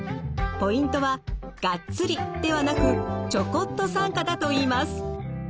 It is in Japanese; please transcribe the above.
ポイントは「がっつり」ではなく「ちょこっと」参加だといいます。